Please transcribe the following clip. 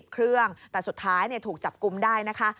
เครื่องแต่สุดท้ายถูกจับกุมได้นะคะ